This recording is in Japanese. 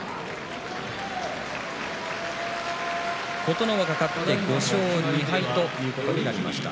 琴ノ若、勝って５勝２敗ということになりました。